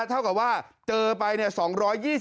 เท่ากับว่าเจอไปเนี่ย